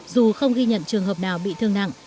dù không ghi nhận trường hợp nào bị thương nặng